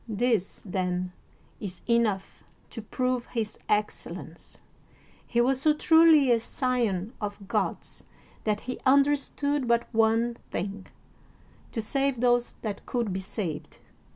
This, then, is enough to prove his excellence. He was so truly a scion of gods that he understood but one thing : to save those that could be saved.